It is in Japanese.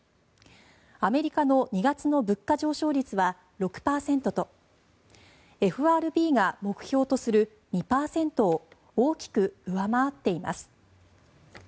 アメリカの２月の物価上昇率は６％とＦＲＢが目標とする２％を大きく上回っています。